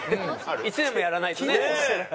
１年もやらないとね。